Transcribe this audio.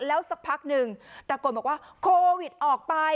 แล้วสักพักหนึ่งตะโกนบอกว่าโควิดออกไป